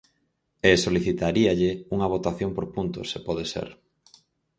E solicitaríalle unha votación por puntos, se pode ser.